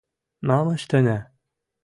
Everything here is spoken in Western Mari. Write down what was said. – Мам ӹштенӓ?